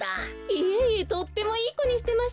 いえいえとってもいいこにしてましたよ。